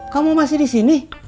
kamu masih di sini